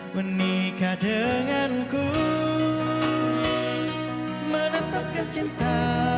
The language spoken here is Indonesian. menikah denganku menetapkan cinta